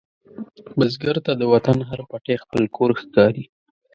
بزګر ته د وطن هر پټی خپل کور ښکاري